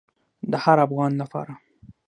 د هر افغان لپاره.